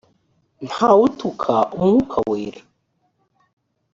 ntawutuka umwuka wera.